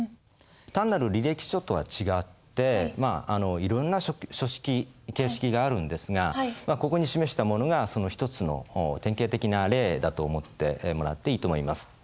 単なる履歴書とは違っていろんな書式形式があるんですがここに示したものが一つの典型的な例だと思ってもらっていいと思います。